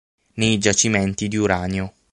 Nei giacimenti di uranio.